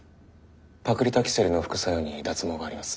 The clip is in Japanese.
パクリタキセルの副作用に脱毛があります。